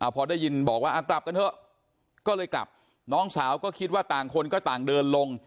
พอได้ยินบอกว่ากลับกันเถอะก็เลยกลับน้องสาวก็คิดว่าต่างคนก็ต่างเดินลง